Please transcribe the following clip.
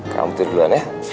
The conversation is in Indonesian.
kamu tidur duluan ya